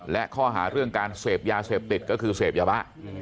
และข้อหาเรื่องการเสพยาเสพติดก็คือเสพยาบ้า